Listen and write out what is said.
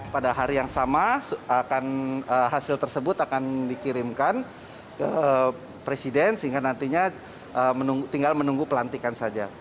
pada hari yang sama akan hasil tersebut akan dikirimkan ke presiden sehingga nantinya tinggal menunggu pelantikan saja